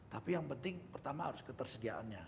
tapi yang penting pertama harus ketersediaannya